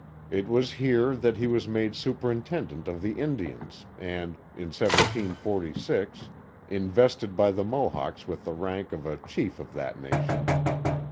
It was here that he was made superintendent of the Indians and, in 1746, in vested by the Mohawks with the rank of a chief of that nation.